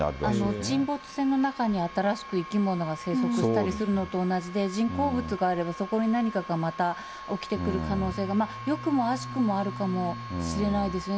沈没船の中に新しく生き物が生息したりするのと同じで、人工物があればそこに何かがまた起きてくる可能性が、よくも悪しくもあるかもしれないですね。